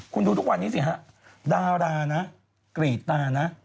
คุณดูทุกวันนี้สิฮะดารานะกรีดตานะ